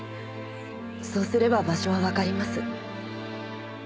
そうすれば場所はわかります。